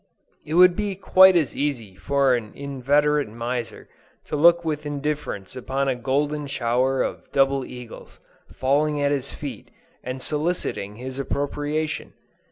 It would be quite as easy for an inveterate miser to look with indifference upon a golden shower of double eagles, falling at his feet and soliciting his appropriation.